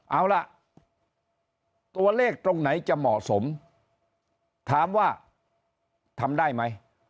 เอาล่ะตัวเลขตรงไหนจะเหมาะสมถามว่าทำได้ไหม